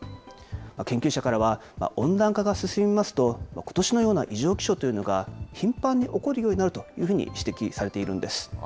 研究者からは、温暖化が進みますと、ことしのような異常気象というのが頻繁に起こるようになるというふうに指摘されているんです。